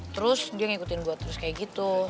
terus dia ngikutin buat terus kayak gitu